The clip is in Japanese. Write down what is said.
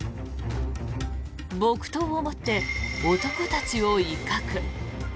木刀を持って男たちを威嚇。